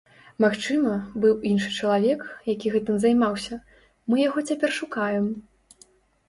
Магчыма, быў іншы чалавек, які гэтым займаўся, мы яго цяпер шукаем.